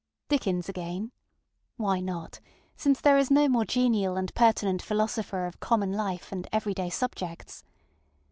ŌĆ£Dickens again? ŌĆØ Why not, since there is no more genial and pertinent philosopher of common life and every day subjects?